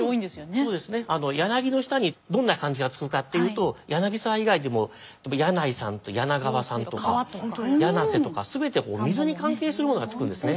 そうですね柳の下にどんな漢字がつくかっていうと柳沢以外でも柳井さんと柳川さんとか柳瀬とか全て水に関係するものがつくんですね。